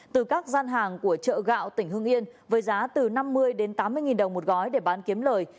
từ các gian hàng của chợ gạo tỉnh hưng yên với giá từ năm mươi đến tám mươi nghìn đồng một gói để bán kiếm lời